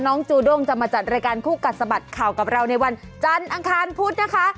จูด้งจะมาจัดรายการคู่กัดสะบัดข่าวกับเราในวันจันทร์อังคารพุธนะคะ